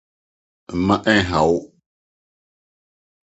Mma ɛnhaw wo.